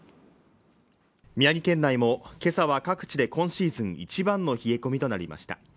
宮城県内も今朝は各地で今シーズン一番の冷え込みとなりました